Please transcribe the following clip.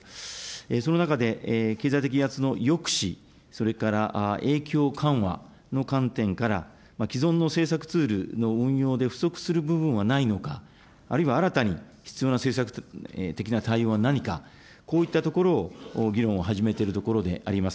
その中で、経済的威圧の抑止、それから影響緩和の観点から、既存の政策ツールの運用で不足する部分はないのか、あるいは新たに必要な政策的な対応は何か、こういったところを議論を始めてるところであります。